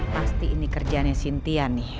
pasti ini kerjaannya sintia nih